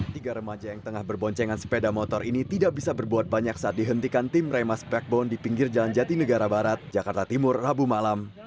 tiga remaja yang tengah berboncengan sepeda motor ini tidak bisa berbuat banyak saat dihentikan tim remas backbone di pinggir jalan jatinegara barat jakarta timur rabu malam